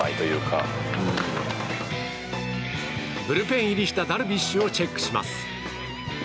ブルペン入りしたダルビッシュをチェックします。